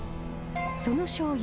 そのしょうゆ